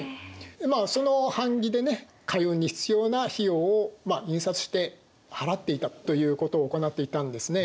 まあその版木でね海運に必要な費用を印刷して払っていたということを行っていたんですね。